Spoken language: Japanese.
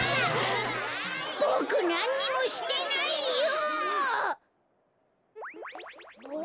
ボクなんにもしてないよ！